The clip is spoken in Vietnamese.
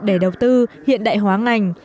để đầu tư hiện đại hóa ngành